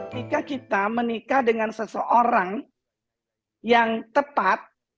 jika kita menikah dengan seseorang yang tepat